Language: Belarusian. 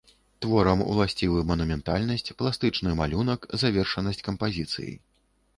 Творам уласцівы манументальнасць, пластычны малюнак, завершанасць кампазіцыі.